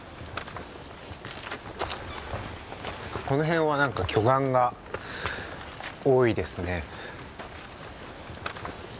この辺は何か巨岩が多いですね。